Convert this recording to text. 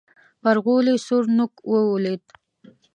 پر غولي سور نوک ولوېد.